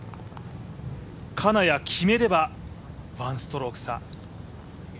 金谷、決めれば１ストローク差。